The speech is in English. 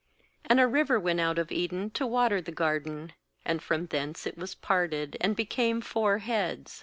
l°And a river went out of Eden to water the garden; and from thence it was parted, and became four heads.